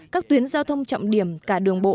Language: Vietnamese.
các tuyến giao thông trọng điểm cả đường bộ